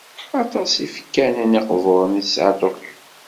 Aṭas ifakanen iqburen i tesεa Tokyo.